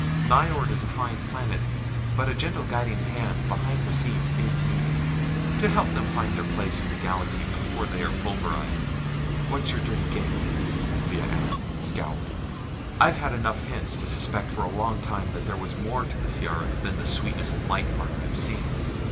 Nyjord is a fine planet, but a gentle guiding hand behind the scenes is needed, to help them find their place in the galaxy before they are pulverized." "What's your dirty game, Hys?" Lea asked, scowling. "I've had enough hints to suspect for a long time that there was more to the C.R.F. than the sweetness and light part I have seen.